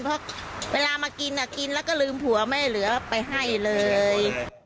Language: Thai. เพราะเวลามากินกินแล้วก็ลืมผัวไม่เหลือไปให้เลย